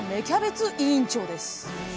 キャベツ委員長です